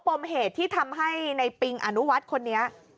ปมเหตุที่ทำให้ในปิงอนุวัฒน์คนนี้